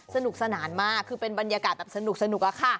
สนุกสนานมากคือเป็นบรรยากาศแบบสนุกอะค่ะ